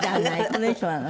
この衣装なの？